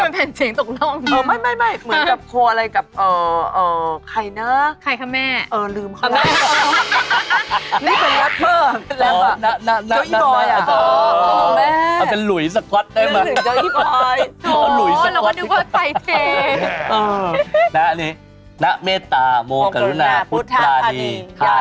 อาจารย์หน้าเรายังกระผ่าหน้าร้างไม่รู้กี่น้ำ